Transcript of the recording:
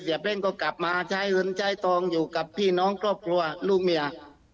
เล่นก็กลับมาใช้เงินใช้ทองอยู่กับพี่น้องครอบครัวลูกเมีย